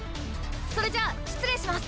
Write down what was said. それじゃあ失礼します。